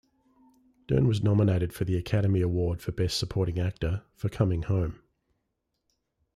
Dern was nominated for the Academy Award for Best Supporting Actor for "Coming Home".